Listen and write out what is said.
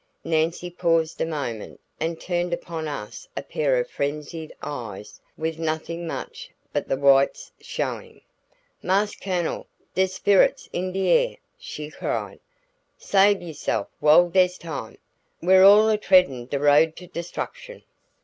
Nancy paused a moment and turned upon us a pair of frenzied eyes with nothing much but the whites showing. "Marse Cunnel, dere's sperrits in de air," she cried. "Sabe yuhself while dere's time. We's all a treadin' de road to destruction."